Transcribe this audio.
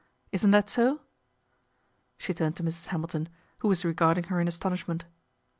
Isn't that so ?" She turned to Mrs. Hamilton, who was regarding her in astonish ment.